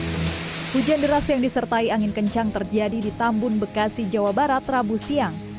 hai hujan deras yang disertai angin kencang terjadi di tambun bekasi jawa barat rabu siang